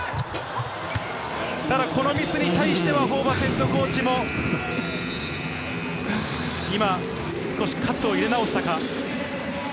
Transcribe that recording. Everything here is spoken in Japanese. ただ、このミスに対してはホーバスＨＣも、今、少し喝を入れ直したか？